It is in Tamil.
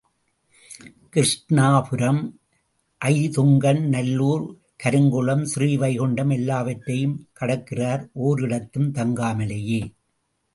கிருஷ்ணாபுரம், ஜயதுங்கன் நல்லூர், கருங்குளம், ஸ்ரீவைகுண்டம் எல்லாவற்றையும் கடக்கிறார், ஓரிடத்தும் தங்காமலேயே.